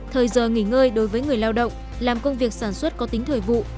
thời giờ nghỉ ngơi đối với người lao động làm công việc sản xuất có tính thời vụ